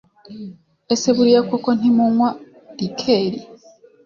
Ese buriya koko ntimunywa rikeri